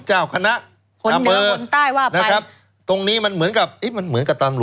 ใช้เงินในการรักษาบ้าง